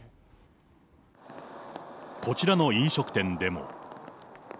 こちらの飲食店でも。